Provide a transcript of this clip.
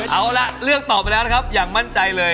เอาล่ะเลือกตอบไปแล้วนะครับอย่างมั่นใจเลย